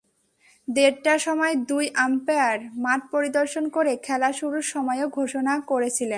দেড়টার সময় দুই আম্পায়ার মাঠ পরিদর্শন করে খেলা শুরুর সময়ও ঘোষণা করেছিলেন।